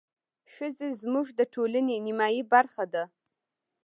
ښځې زموږ د ټولنې نيمايي برخه ده.